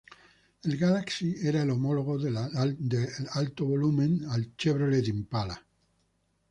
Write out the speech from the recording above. El Galaxie era el homólogo de alto volumen al Chevrolet Impala.